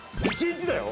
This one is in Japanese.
１日だよ！？